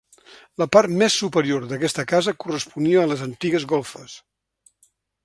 La part més superior d'aquesta casa corresponia a les antigues golfes.